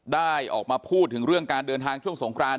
ได้ออกมาพูดถึงเรื่องการเดินทางช่วงสงคราน